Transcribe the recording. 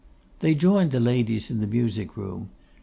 They joined the ladies in the music room.